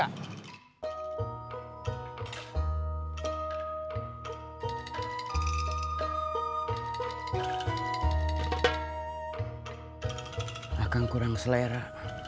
agak kurang selera